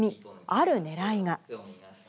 あるねらいが。